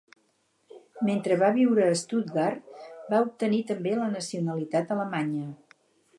Mentre va viure a Stuttgart, va obtenir també la nacionalitat alemanya.